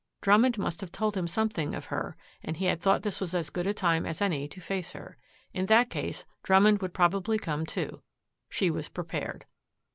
Drummond must have told him something of her and he had thought this as good a time as any to face her. In that case Drummond would probably come too. She was prepared.